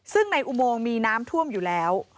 ซึ่งในอุโมงมีน้ำท่วมอยู่แล้ว